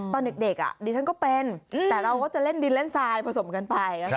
ตอนเด็กดิฉันก็เป็นแต่เราก็จะเล่นดินเล่นทรายผสมกันไป